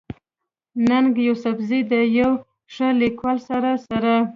ننګ يوسفزۍ د يو ښه ليکوال سره سره